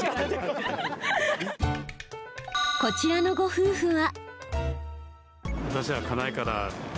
こちらのご夫婦は。